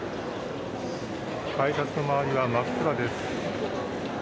改札の周りは真っ暗です。